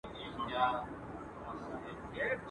مخ يې واړاوه يو ځل د قاضي لور ته.